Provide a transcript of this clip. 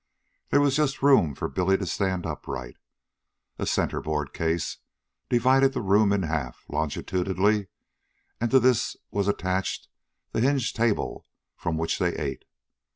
There was just room for Billy to stand upright. A centerboard case divided the room in half longitudinally, and to this was attached the hinged table from which they ate.